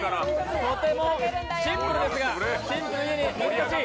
とてもシンプルですが、シンプルゆえに難しい。